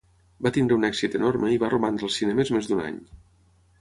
Va tenir un èxit enorme i va romandre als cinemes més d'un any.